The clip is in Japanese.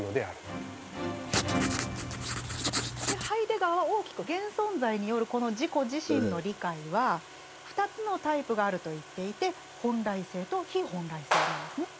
ハイデガーは大きく現存在によるこの自己自身の理解は２つのタイプがあると言っていて「本来性」と「非本来性」なんですね。